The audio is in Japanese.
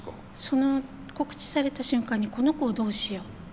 その告知された瞬間にこの子をどうしよう。